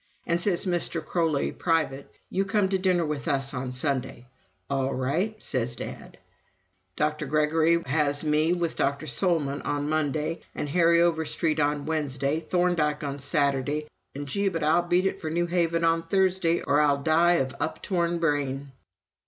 And says Mr. Croly, private, 'You come to dinner with us on Sunday!' 'All right,' sez Dad. Dr. Gregory has me with Dr. Solman on Monday, and Harry Overstreet on Wednesday, Thorndike on Saturday, and gee, but I'll beat it for New Haven on Thursday, or I'll die of up torn brain."